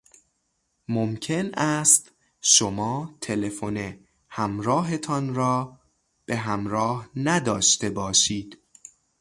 ممکن است شما تلفن همراهتان را به همراه نداشته باشید.